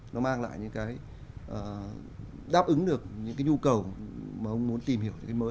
nó mang lại những cái đáp ứng được những cái nhu cầu mà ông muốn tìm hiểu những cái mới